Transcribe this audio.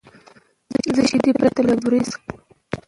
زه شیدې پرته له بوره څښم.